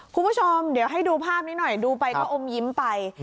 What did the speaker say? คุณผู้ชมเดี๋ยวให้ดูภาพนี้หน่อยดูไปก็อมยิ้มไป